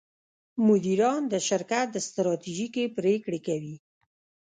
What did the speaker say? مدیران د شرکت ستراتیژیکې پرېکړې کوي.